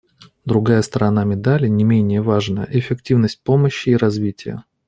Другая сторона медали, не менее важная, — эффективность помощи и развития.